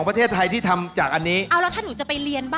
ครับใช่ครับ